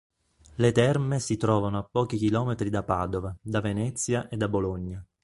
Le terme si trovano a pochi chilometri da Padova, da Venezia e da Bologna.